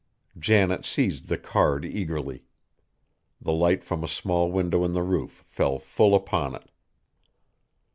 Janet seized the card eagerly. The light from a small window in the roof fell full upon it.